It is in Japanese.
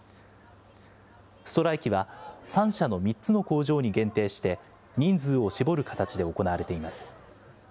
ストライキは３社の３つの工場に限定して、人数を絞る形で行われています。